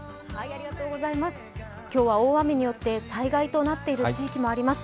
今日は大雨によって災害となっている地域もあります。